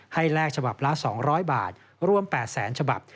ให้แลกฉบับละ๒๐๐บาทรวม๘๐๐ฉบับ